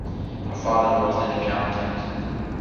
Her father was an accountant.